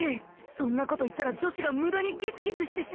そんな事言ったら女子が無駄にギスギスしてしまう